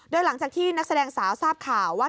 โดยหลังจากที่นักแสดงสาวทราบข่าวว่า